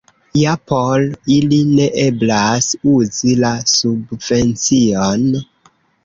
Ja por ili ne eblas uzi la subvencion?